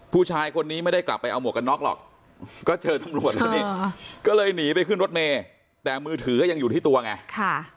ผู้ชายคนนี้ไม่ได้กลับไปเอาหมวกกันน็อกหรอกก็เจอตำรวจแล้วนี่ก็เลยหนีไปขึ้นรถเมย์แต่มือถือก็ยังอยู่ที่ตัวไงค่ะ